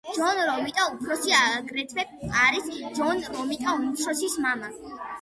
ჯონ რომიტა უფროსი აგრეთვე არის ჯონ რომიტა უმცროსის მამა.